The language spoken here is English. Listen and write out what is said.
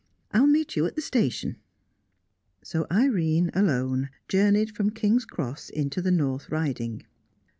I will meet you at the station." So Irene, alone, journeyed from King's Cross into the North Riding.